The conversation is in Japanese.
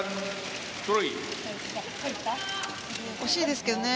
惜しいですけどね。